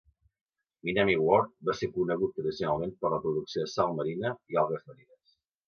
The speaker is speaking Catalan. Minami Ward va ser conegut tradicionalment per la producció de sal marina i algues marines.